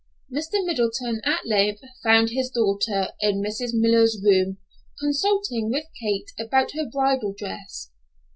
Mr. Middleton at length found his daughter in Mrs. Miller's room consulting with Kate about her bridal dress.